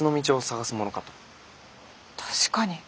確かに。